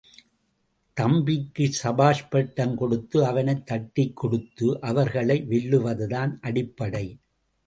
தம்பிக்கு சபாஷ் பட்டம் கொடுத்து அவனைத் தட்டிக்கொடுத்து அவர்களை வெல்வதுதான் அடிப்படை.